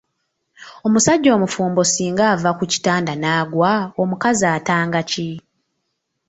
Omusajja omufumbo singa ava ku kitanda n’agwa, omukazi atanga ki?